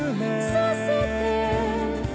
「させて」